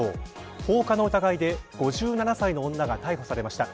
放火の疑いで５７歳の女が逮捕されました。